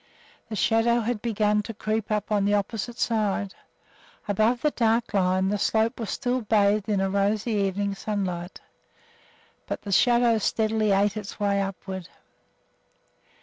The shadow had begun to creep up on the opposite side. Above the dark shadow line the slope was still bathed in the rosy evening sunlight, but the shadow steadily ate its way upward.